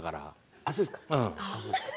ああ、そうですか。